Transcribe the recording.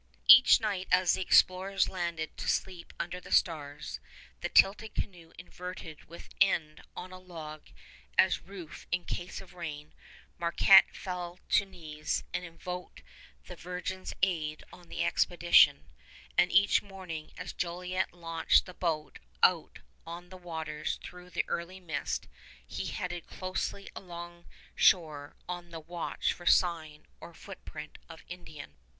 Each night as the explorers landed to sleep under the stars, the tilted canoe inverted with end on a log as roof in case of rain, Marquette fell to knees and invoked the Virgin's aid on the expedition; and each morning as Jolliet launched the boat out on the waters through the early mist, he headed closely along shore on the watch for sign or footprint of Indian.